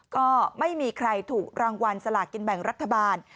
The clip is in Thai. ก็ไม่มีใครถูกรางวัลสลากินแบ่งรัฐบาล